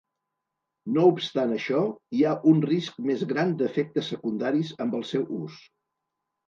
No obstant això, hi ha un risc més gran d'efectes secundaris amb el seu ús.